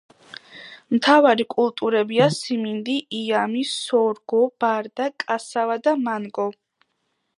მთავარი კულტურებია სიმინდი, იამი, სორგო, ბარდა, კასავა და მანგო.